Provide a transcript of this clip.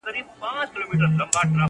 o سیاه پوسي ده د مړو ورا ده.